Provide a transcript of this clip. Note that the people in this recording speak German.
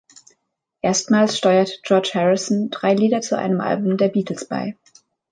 Erstmals steuerte George Harrison drei Lieder zu einem Album der Beatles bei.